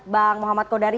bang muhammad kodari